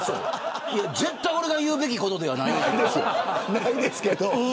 絶対に俺が言うべきことではないけど。